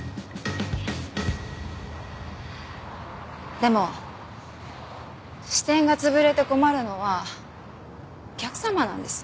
でも支店が潰れて困るのはお客様なんです。